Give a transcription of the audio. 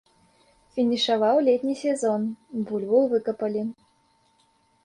Фінішаваў летні сезон, бульбу выкапалі.